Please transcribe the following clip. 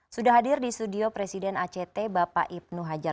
sudah hadir di studio presiden act bapak ibnu hajar